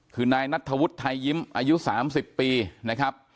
คือนายนัทธวุฒิไทยยิ้มอายุ๓๐ปีนะครับ